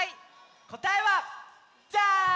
こたえはジャーン！